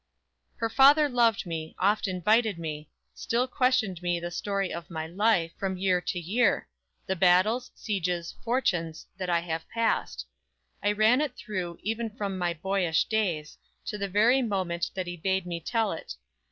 "__"Her father loved me, oft invited me; Still questioned me the story of my life, From year to year; the battles, sieges, fortunes That I have passed. I ran it through, even from my boyish days, To the very moment that he bade me tell it.